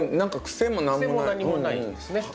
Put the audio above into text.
癖も何もないんですね。